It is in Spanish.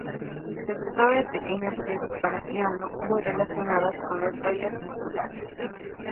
Se trataba de pequeñas piezas para piano, muy relacionadas con los bailes populares.